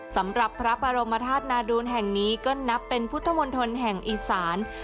สำหรับพระบรมธาตุนาดูลแห่งนี้ก็นับเป็นพุทธมนตรแห่งอีสาน